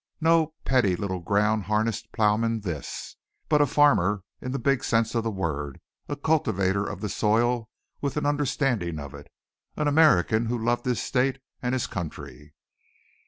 No petty little ground harnessed ploughman this, but a farmer in the big sense of the word a cultivator of the soil, with an understanding of it an American who loved his state and his country.